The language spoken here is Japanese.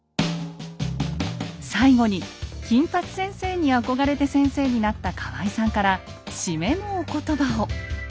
最後に金八先生に憧れて先生になった河合さんから締めのお言葉を。